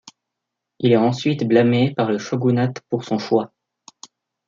Il est ensuite blâmé par le shogunat pour son choix.